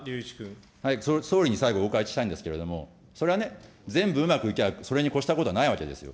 総理に最後お伺いしたいんですけれども、それはね、全部うまくいきゃそれに越したことはないわけですよ。